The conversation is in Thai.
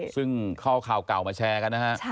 ซึ่งเข้าข่าวเก่ามาแชร์กันนะฮะ